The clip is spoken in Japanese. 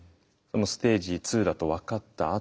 でもステージ２だと分かった